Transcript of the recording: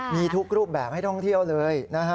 มีทุกรูปแบบให้ท่องเที่ยวเลยนะฮะ